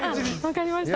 わかりました。